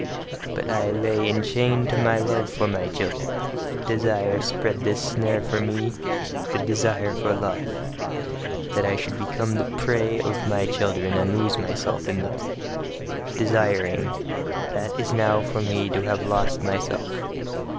But I lay enchained to my love for my children: desire spread this snare for me the desire for love that I should become the prey of my children, and lose myself in them. Desiring that is now for me to have lost myself.